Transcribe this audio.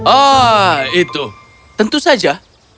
ah itu tentu saja